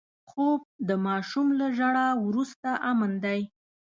خوب د ماشوم له ژړا وروسته امن دی